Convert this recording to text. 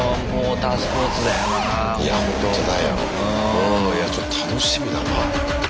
うんいやちょっと楽しみだな。